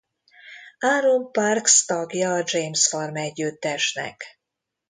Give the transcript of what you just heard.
Aaron Parks tagja a James Farm együttesnek.